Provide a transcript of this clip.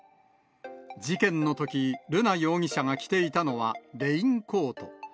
事件のとき、瑠奈容疑者が着ていたのはレインコート。